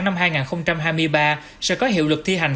năm hai nghìn hai mươi ba sẽ có hiệu lực thi hành